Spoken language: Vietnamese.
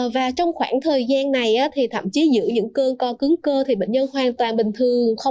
và trong khoảng thời gian này thậm chí giữa những cơn co cứng cơ